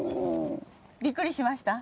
びっくりしました？